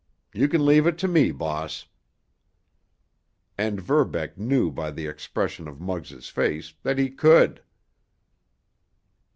You can leave it to me, boss." And Verbeck knew by the expression of Muggs' face that he could.